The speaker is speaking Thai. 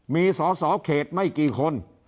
มีสอสอเขตไม่กี่คน